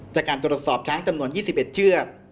จากการตรวจสอบช้างจำนวน๒๑เชือก